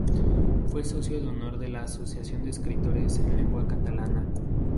Fue socio de honor de la Asociación de Escritores en Lengua Catalana.